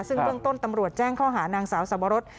ซึ่งเบื้องต้นตำรวจแจ้งข้อหานางสาวสวรส